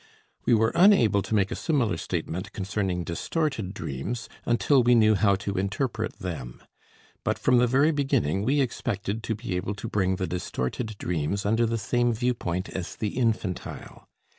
We were unable to make a similar statement concerning distorted dreams, until we knew how to interpret them. But from the very beginning we expected to be able to bring the distorted dreams under the same viewpoint as the infantile.